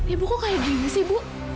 ibu kok kayak begini sih ibu